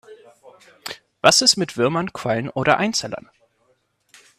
Was ist mit Würmern, Quallen oder Einzellern?